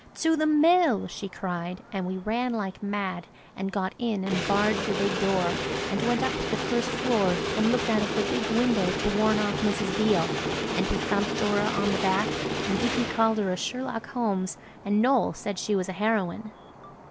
"To the Mill!" she cried, and we ran like mad, and got in and barred the big door, and went up to the first floor, and looked out of the big window to warn off Mrs. Beale. And we thumped Dora on the back, and Dicky called her a Sherlock Holmes, and Noël said she was a heroine.